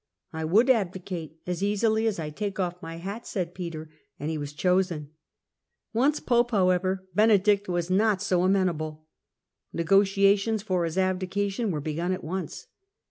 "I would abdicate as easily as I take off my hat," said Peter, and he was chosen. Once Attempts Pope, however, Benedict was not so amenable. Negotia scwlm tions for his abdication were begun at once.